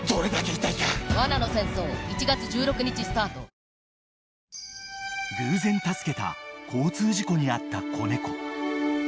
ピンポーン［偶然助けた交通事故に遭った子猫］